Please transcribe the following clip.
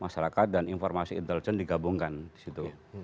masyarakat dan informasi intelijen digabungkan di situ